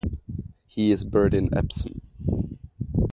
He is buried in Epsom.